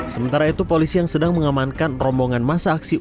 sementara itu polisi yang sedang mengamankan rombongan masa aksi